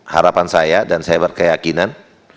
harapan saya dan saya berkeyakinan